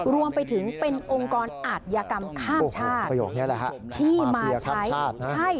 รวมไปถึงเป็นองค์กรอาจยากรรมข้ามชาติ